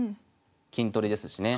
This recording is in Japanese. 金取りですしね。